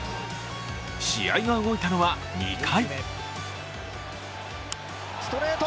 試合が動いたのは２回。